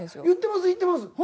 言ってます言ってます。